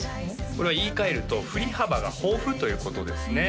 これは言いかえると振り幅が豊富ということですね